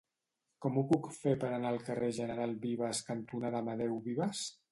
Com ho puc fer per anar al carrer General Vives cantonada Amadeu Vives?